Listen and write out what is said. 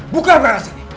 buka berangkas ini